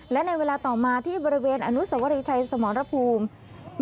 และในเวลาต่อมาที่บริเวณอนุสวรีชัยสมรภูมิ